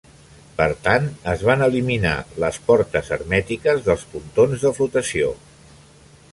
Per tant, es van eliminar les portes hermètiques del pontons de flotació.